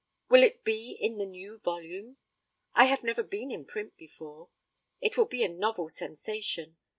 Will it be in the new volume? I have never been in print before; it will be a novel sensation.